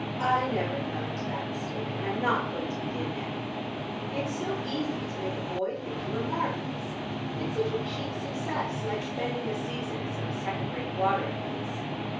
I never fell into that mistake, and I'm not going to begin now. It is so easy to make a boy think you are marvellous: it's such a cheap success, like spending the season at some second rate watering place.